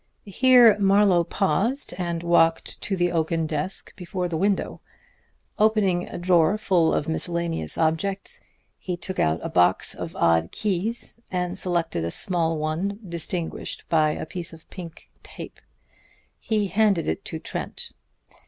Here Marlowe paused and walked to the oaken desk before the window. Opening a drawer full of miscellaneous objects, he took out a box of odd keys, and selected a small one distinguished by a piece of pink tape. He handed it to Trent.